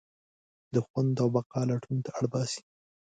د خوند او بقا لټون ته اړباسي.